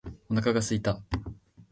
お腹が空いた。